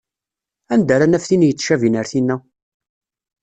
Anda ara naf tin yettcabin ar tinna?